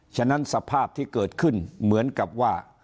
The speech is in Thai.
ฉะนั้นสภาพที่เกิดขึ้นเหมือนกับว่า